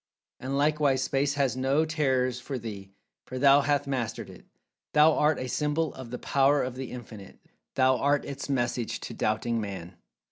And, likewise, Space has no terrors for thee, for thou hath mastered it. Thou art a symbol of the Power of The Infinite—thou art Its message to doubting Man!